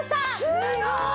すごーい！